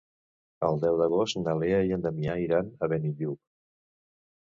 El deu d'agost na Lea i en Damià iran a Benillup.